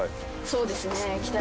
そうですね。